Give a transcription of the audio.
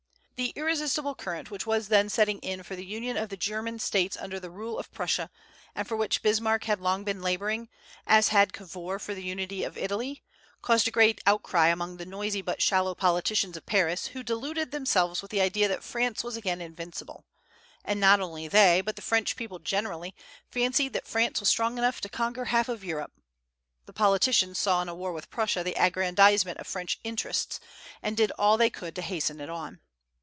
The irresistible current which was then setting in for the union of the German States under the rule of Prussia, and for which Bismarck had long been laboring, as had Cavour for the unity of Italy, caused a great outcry among the noisy but shallow politicians of Paris, who deluded themselves with the idea that France was again invincible; and not only they, but the French people generally, fancied that France was strong enough to conquer half of Europe, The politicians saw in a war with Prussia the aggrandizement of French interests, and did all they could to hasten it on.